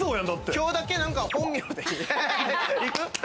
今日だけ本名で行く？